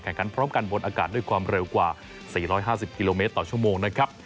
กันพร้อมกันบนอากาศด้วยความเร็วกว่า๔๕๐กิโลเมตรต่อชั่วโมงนะครับ